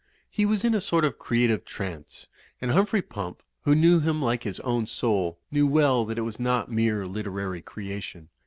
He was in a sort of creative trance; and Humphrey Pump, who knew him like his own soul, knew well that it was not mere literary creation.